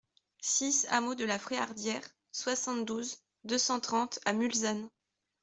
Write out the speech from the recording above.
six hameau de la Fréardière, soixante-douze, deux cent trente à Mulsanne